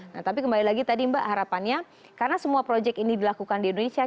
nah tapi kembali lagi tadi mbak harapannya karena semua proyek ini dilakukan di indonesia